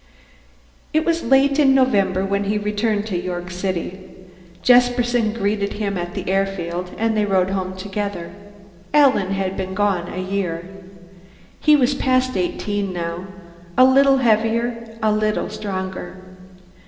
It was late in November when he returned to York City. Jesperson greeted him at the airfield, and they rode home together. Alan had been gone a year; he was past eighteen, now, a little heavier, a little stronger.